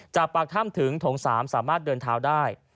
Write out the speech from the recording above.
จากปากถ้ำถึงโถง๓สามารถเดินเท้าได้